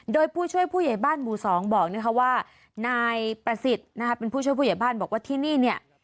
โดยผู้ช่วยผู้ใหญ่บ้านหมู่สองบอกนะคะว่านายประสิทธิ์นะคะเป็นผู้ช่วยผู้ใหญ่บ้านบอกว่าที่นี่เนี่ย